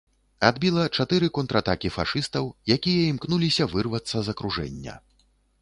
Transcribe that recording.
Адбіла чатыры контратакі фашыстаў, якія імкнуліся вырвацца з акружэння.